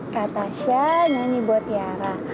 kak tasya nanyi buat tiara